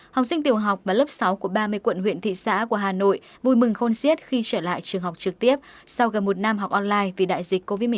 học sinh tiểu học và lớp sáu của ba mươi quận huyện thị xã của hà nội vui mừng khôn siết khi trở lại trường học trực tiếp sau gần một năm học online vì đại dịch covid một mươi chín